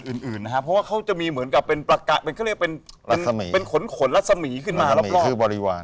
เพราะว่าเขาจะมีเหมือนกับระภัญมีรัศมีคือบริวาร